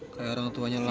kayak orang tuanya laura